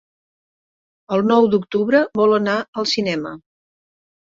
El nou d'octubre vol anar al cinema.